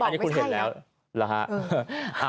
อันนี้คุณเห็นแล้วเหรอฮะ